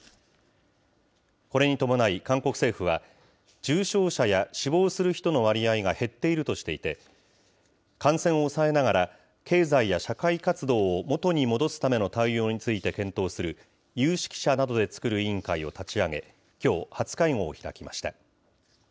これに伴い、韓国政府は、重症者や死亡する人の割合が減っているとしていて、感染を抑えながら、経済や社会活動を元に戻すための対応について検討する有識者などで作る委員会を立ち上げ、きょう、初会合を開きました。